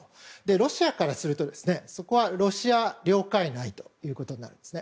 ロシアからすると、そこはロシア領海内となるんですね。